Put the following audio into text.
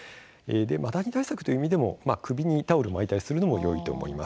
マダニ対策という意味でも首にタオルを巻いたりするのもいいと思います。